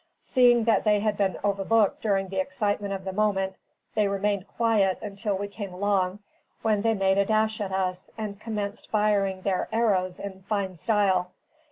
Seeing that they had been overlooked during the excitement of the moment, they remained quiet until we came along, when they made a dash at us and commenced firing their arrows in fine style.